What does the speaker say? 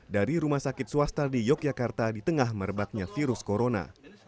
dari rumah sakit swasta di yogyakarta di tengah merebaknya virus corona